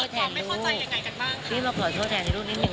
พี่ขอโทษแทนลูกพี่มาขอโทษแทนลูกนิดนึง